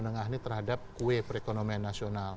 dan menengah ini terhadap kue perekonomian nasional